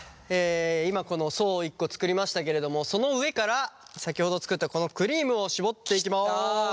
今この層を１個作りましたけれどもその上から先ほど作ったこのクリームをしぼっていきます！